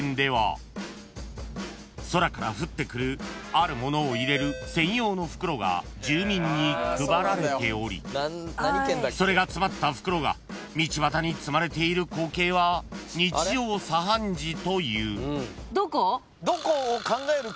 ［空から降ってくるあるものを入れる専用の袋が住民に配られておりそれが詰まった袋が道端に積まれている光景は日常茶飯事という］